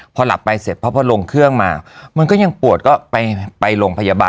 พอหลับไปเสร็จเพราะพอลงเครื่องมามันก็ยังปวดก็ไปโรงพยาบาล